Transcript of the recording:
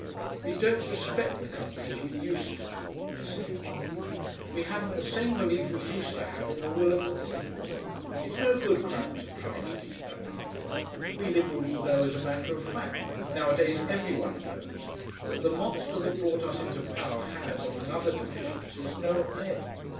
"We don't respect the Country as we used to do," I said. "We haven't the same belief we used to have in the will of the people. It's no good, Crampton, trying to keep that up. We Liberals know as a matter of fact nowadays every one knows that the monster that brought us into power has, among other deficiencies, no head.